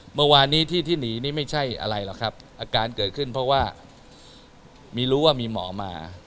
เมื่อวานนี้ที่ที่หนีนี่ไม่ใช่อะไรหรอกครับอาการเกิดขึ้นเพราะว่ามีรู้ว่ามีหมอมา